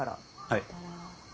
はい。